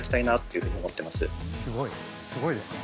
すごいですね。